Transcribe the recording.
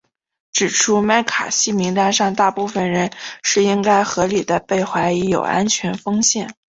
指出麦卡锡名单上大部分人是应该合理地被怀疑有安全风险。